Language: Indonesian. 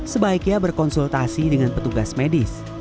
sebaiknya berkonsultasi dengan petugas medis